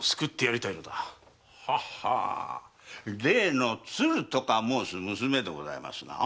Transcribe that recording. ははあ例の“つる”とか申す娘でございますな？